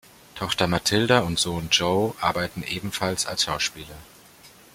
Tochter Matilda und Sohn Joe arbeiten ebenfalls als Schauspieler.